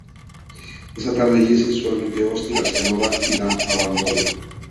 Esa tarde, Jesse es inusualmente hostil hacia Nova y la abandona.